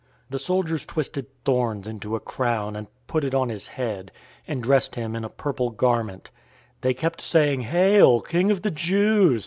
019:002 The soldiers twisted thorns into a crown, and put it on his head, and dressed him in a purple garment. 019:003 They kept saying, "Hail, King of the Jews!"